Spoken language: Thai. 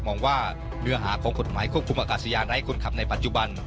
มองว่าเนื้อหาของกฎหมายควบคุมอากาศยานไร้คนขับในปัจจุบัน